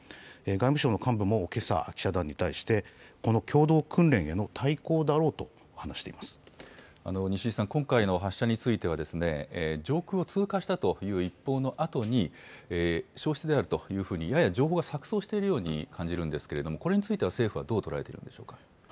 外務省の幹部もけさ、記者団に対して、この共同訓練への対抗だろ西井さん、今回の発射については、上空を通過したという一方のあとに、焼失であるというふうにやや情報が錯綜しているように感じるんですけれども、これについては、政府はどう捉えているんでしょうか。